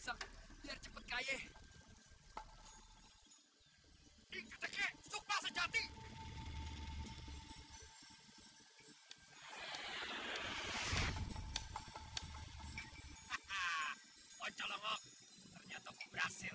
hahaha kacau banget ternyata aku berhasil